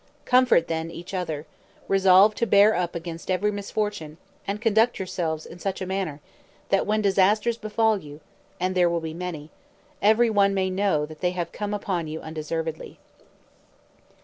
Comfort, then, each other; resolve to bear up against every misfortune, and conduct yourselves in such a manner, that when disasters befall you (and there will be many), every one may know they have come upon you undeservedly."